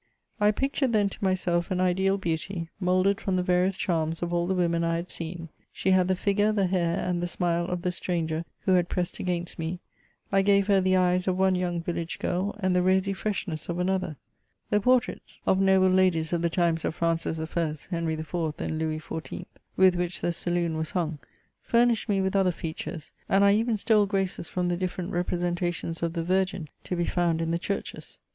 I pictured then to myself an ideal beauty, moulded from the various charms of all the women I had seen : she had the figure, the hair, and the smile of the stranger who had pressed against me ; I gave her the eyes of one young village girl, and the rosy freshness of another. The portraits of noble ladies of the times of Francis I. Henry IV. and Louis XIV., with which the saloon was hung, furnished me with other features, luid I even stole graces from the different representations of thQ Virgin to be found in the churches.